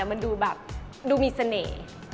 มันดูแบบดูมีเสน่ห์